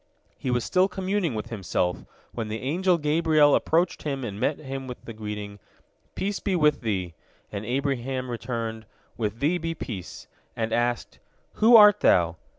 " He was still communing with himself when the angel Gabriel approached him and met him with the greeting, "Peace be with thee," and Abraham returned, "With thee be peace," and asked, "Who art thou?"